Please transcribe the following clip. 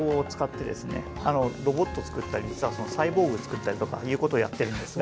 ロボットを作ったり実はそのサイボーグ作ったりとかいうことをやっているんですが。